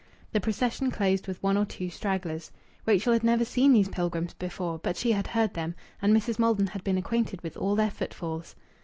The procession closed with one or two stragglers. Rachel had never seen these pilgrims before, but she had heard them; and Mrs. Maldon had been acquainted with all their footfalls.